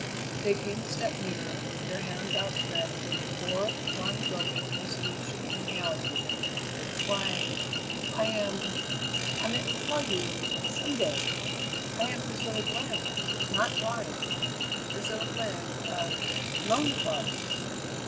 They came a step nearer, their hands outstretched in a poor, blind groping for solution and reality. "Why I am I meant to tell you some day. I am Priscilla Glenn not Glynn Priscilla Glenn of Lonely Farm."